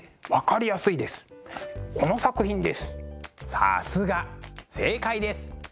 さすが正解です。